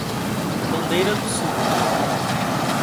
Bandeira do Sul